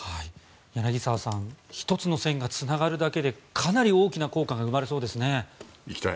柳澤さん１つの線がつながるだけでかなり大きな効果が生まれそうですね。